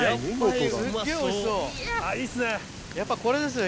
あぁいいっすね。